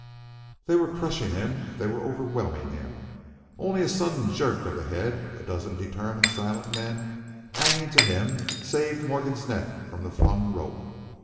They were crushing him, they were overwhelming him. Only a sudden jerk of the head, a dozen determined, silent men hanging to him, saved Morgan's neck from the flung rope.